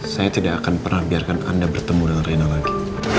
saya tidak akan pernah biarkan anda bertemu dengan reno lagi